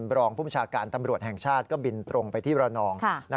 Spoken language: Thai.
รองผู้ประชาการตำรวจแห่งชาติก็บินตรงไปที่ระนอง